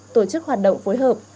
tổ chức hoạt động phối hợp